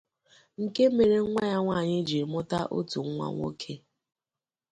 nke mere nwa ya nwaanyị jiri mụta otu nwa nwoke.